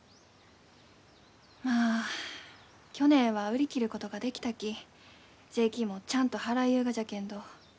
まあ去年は売り切ることができたき税金もちゃんと払いゆうがじゃけんど。